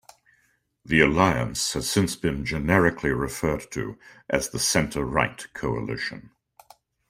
The alliance has since been generically referred to as the centre-right coalition.